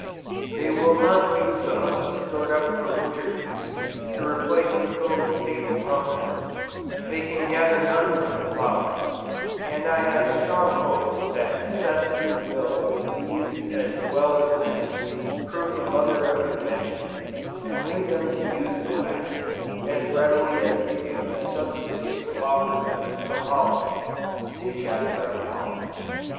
They will not use the honey stored up for winter use to replace the combs taken from them; they can gather none from the flowers; and I have strong hopes that necessity will with bees as well as men, prove the mother of invention, and lead them to use the wax, as readily as they do the substitutes offered them for pollen. (See Chapter on Pollen.)